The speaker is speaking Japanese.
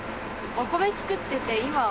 お米作ってて今は。